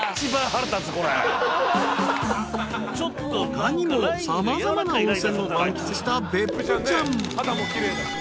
［他にも様々な温泉を満喫した別府ちゃん］